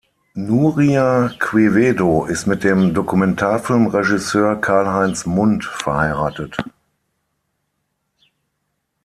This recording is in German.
Nuria Quevedo ist mit dem Dokumentarfilm-Regisseur Karlheinz Mund verheiratet.